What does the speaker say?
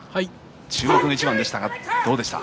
注目の一番ですがどうでした。